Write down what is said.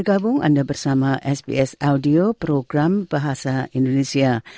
anda bersama sbs bahasa indonesia